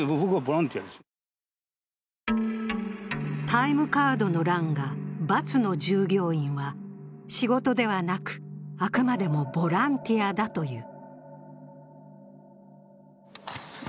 タイムカードの欄が×の従業員は仕事ではなく、あくまでもボランティアだという。